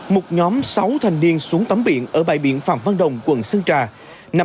một nhóm sáu thanh niên xuống tắm biển ở bãi biển phạm văn đồng quận sơn trà